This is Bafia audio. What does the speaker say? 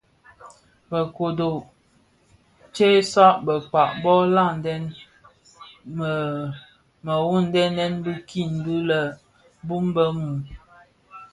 Be kodo tsëmtsa bekpag bō laden ndhoňdeňèn bikin bi lè bum bë mum.